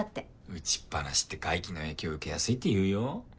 打ちっぱなしって外気の影響受けやすいっていうよ。